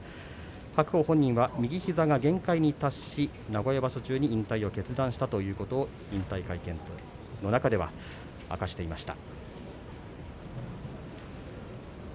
白鵬本人は右膝が限界に達し名古屋場所中に引退を決断したということを引退会見の中で明かしていました。